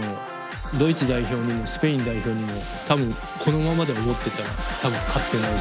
ドイツ代表にもスペイン代表にも多分このままで思ってたら勝ってないです。